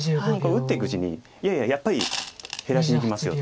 打っていくうちに「いやいややっぱり減らしにいきますよ」と。